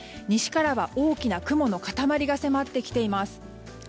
西からは大きな雲の塊が迫ってきています。